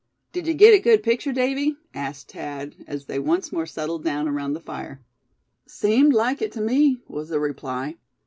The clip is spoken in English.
"Did you get a good picture, Davy?" asked Thad, as they once more settled down around the fire. "Seemed like it to me," was the reply.